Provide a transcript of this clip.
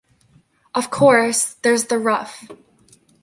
Of course, there’s the Ruff.